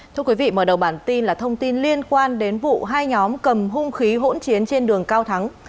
thưa quý vị mở đầu bản tin là thông tin liên quan đến vụ hai nhóm cầm hung khí hỗn chiến trên đường cao thắng